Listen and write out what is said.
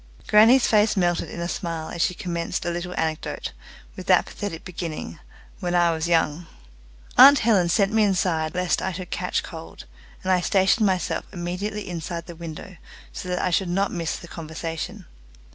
Grannie's face melted in a smile as she commenced a little anecdote, with that pathetic beginning, "When I was young." Aunt Helen sent me inside lest I should catch cold, and I stationed myself immediately inside the window so that I should not miss the conversation.